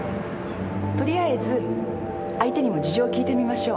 とりあえず相手にも事情を聞いてみましょう。